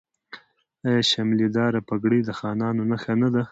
آیا شملې دارې پګړۍ د خانانو نښه نه ده؟